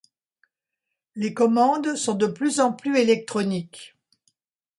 Les commandes sont de plus en plus électroniques